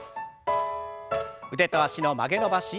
腕と脚の曲げ伸ばし。